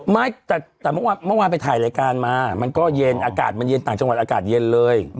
ไม่แต่เมื่อวานไปถ่ายรายการมามันก็เย็นอากาศมันเย็นต่างจังหวัดอากาศเย็นเลย